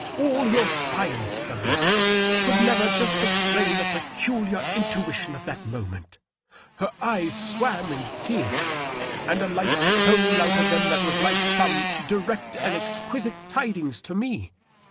All your sci ence, Douglas, could never just explain the peculiar intuition of that moment. Her eyes swam in tears, and a light stole out of them that was like some direct and exquisite tidings to me.